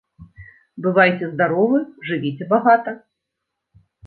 Бывайце здаровы, жывіце багата!